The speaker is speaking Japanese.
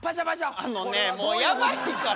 あのねもうやばいから！